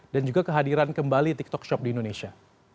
dan juga kehadiran kembali tiktok shop di indonesia